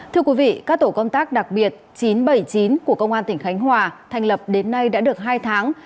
thưa quý vị các tổ công tác đặc biệt chín trăm bảy mươi chín của công an tỉnh khánh hòa thành lập đến nay đã được hai tháng